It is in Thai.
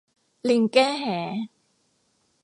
ลิงแก้แห